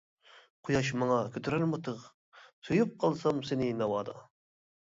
قۇياش ماڭا كۆتۈرەرمۇ تىغ، سۆيۈپ قالسام سېنى ناۋادا.